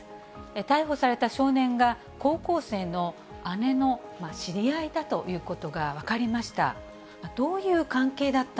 逮捕された少年が高校生の姉の知り合いだということが分かりました。